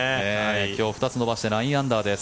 今日２つ伸ばして９アンダーです。